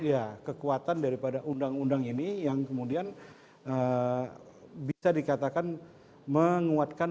ya kekuatan daripada undang undang ini yang kemudian bisa dikatakan menguatkan